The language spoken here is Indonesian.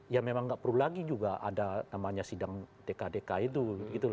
ya memang nggak perlu lagi juga ada namanya sidang tkdk itu